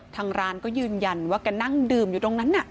ทางร้านก็ยืนยันว่าแกนั่งดื่มอยู่ตรงนั้นน่ะ